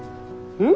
うん。